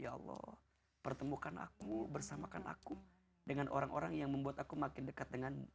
ya allah pertemukan aku bersamakan aku dengan orang orang yang membuat aku makin dekat denganmu